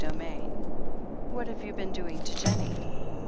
XXIX What have you been doing to Jennie?"